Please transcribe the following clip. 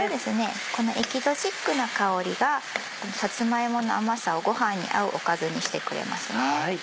このエキゾチックな香りがさつま芋の甘さをごはんに合うおかずにしてくれますね。